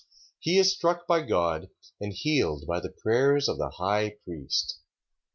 He is struck by God, and healed by the prayers of the high priest. 3:1.